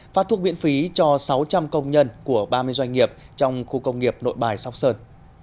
phát thuốc miễn phí cho sáu trăm linh công nhân của ba mươi doanh nghiệp trong khu công nghiệp nội bài sóc sơn